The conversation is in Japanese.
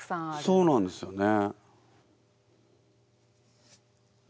そうなんですよね。